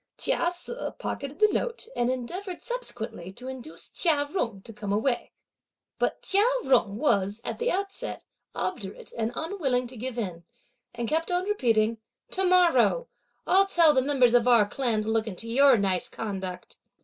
Chia Se pocketed the note, and endeavoured subsequently to induce Chia Jung to come away; but Chia Jung was, at the outset, obdurate and unwilling to give in, and kept on repeating; "To morrow, I'll tell the members of our clan to look into your nice conduct!"